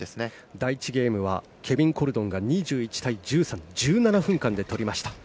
第１ゲームはケビン・コルドンが２１対１３１７分間で取りました。